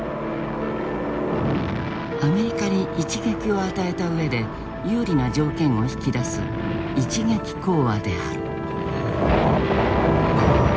アメリカに一撃を与えた上で有利な条件を引き出す一撃講和である。